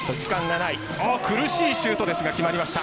苦しいシュートですが決まりました。